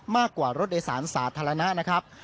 มากกว่ารถโดยสารสาธารณะนะครับ